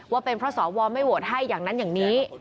ว่าเป็นเพราะสวไม่โหวตให้อย่างนั้นอย่างนี้